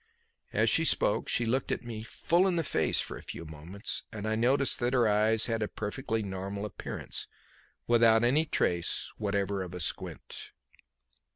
As she spoke, she looked me full in the face for a few moments, and I noted that her eyes had a perfectly normal appearance, without any trace whatever of a squint.